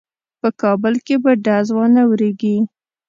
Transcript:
په کابل کې به ډز وانه وریږي.